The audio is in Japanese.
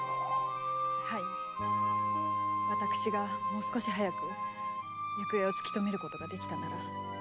はい私がもう少し早く行方を突き止めることができたなら。